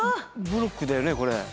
ブロックだよねこれ。